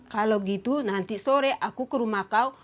kalau gitu nanti sore aku ke rumah kau